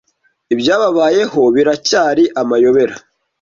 Ibyababayeho biracyari amayobera.